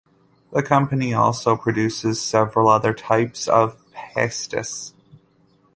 The company also produces several other types of pastis.